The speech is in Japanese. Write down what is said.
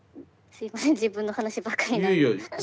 すいません自分の話ばかり何か。